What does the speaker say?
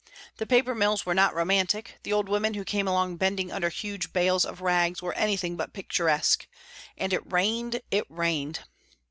The paper mills were not romantic; the old women who came along bending under huge bales of rags were anything but picturesque. And it rained, it rained.